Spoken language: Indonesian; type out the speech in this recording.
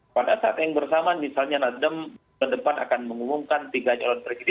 pada saat yang bersamaan misalnya naddem ke depan akan mengumumkan tiga jalan berikutnya